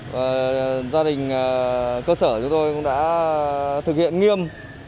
và gia đình cơ sở chúng tôi cũng đã thực hiện nghiêm